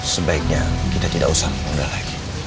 sebaiknya kita tidak usah mengendal lagi